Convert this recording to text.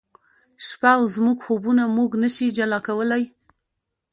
شپه او زموږ خوبونه موږ نه شي جلا کولای